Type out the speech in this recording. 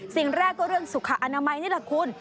สิ่งแรกก็เรื่องสุขอนามัยนี่แหละคุณ